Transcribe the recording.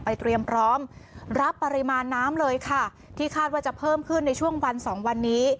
เตรียมพร้อมรับปริมาณน้ำเลยค่ะที่คาดว่าจะเพิ่มขึ้นในช่วงวันสองวันนี้